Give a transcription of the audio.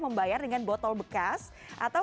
membayar dengan botol bekas atau